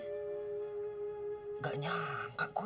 tapi kok bang joko cepet banget ya bereaksinya